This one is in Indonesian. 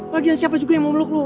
bagian siapa juga yang memeluk lu